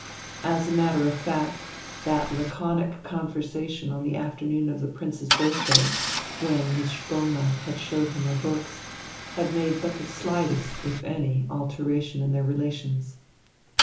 As a matter of fact, that laconic conversation on the afternoon of the Prince's birthday (when Miss Spoelmann had showed him her books) had made but the slightest, if any, alteration in their relations.